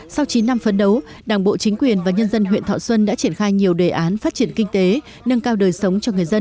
sau chín năm phấn đấu đảng bộ chính quyền và nhân dân huyện thọ xuân đã triển khai nhiều đề án phát triển kinh tế nâng cao đời sống cho người dân